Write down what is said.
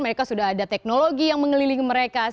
mereka sudah ada teknologi yang mengelilingi mereka